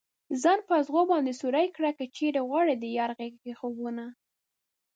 ځان په ازغو باندې سوری كړه كه چېرې غواړې ديار غېږه كې خوبونه